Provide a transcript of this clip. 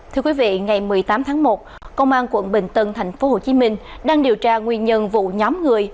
thưa quý vị ngày một mươi tám tháng một công an quận bình tân thành phố hồ chí minh đang điều tra nguyên nhân vụ nhóm người